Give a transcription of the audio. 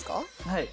はい。